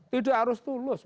tidak harus tulus